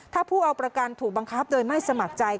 ถ้าผู้เอาประกันถูกบังคับโดยไม่สมัครใจ